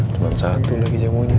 cuman satu lagi jamunya